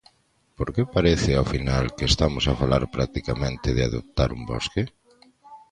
Porque parece ao final que estamos a falar practicamente de adoptar un bosque.